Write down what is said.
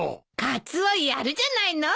カツオやるじゃないの。